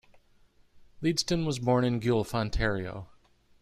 Leadston was born in Guelph, Ontario.